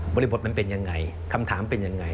ริบทมันเป็นยังไงคำถามเป็นยังไง